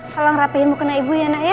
tolong rapihin mukena ibu ya nak ya